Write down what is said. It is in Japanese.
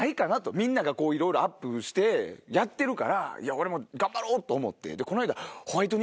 みんながいろいろアップしてやってるから俺も頑張ろうと思ってこの間。